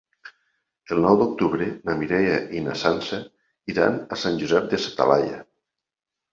El nou d'octubre na Mireia i na Sança iran a Sant Josep de sa Talaia.